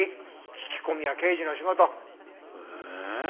聞き込みは刑事の仕事。え！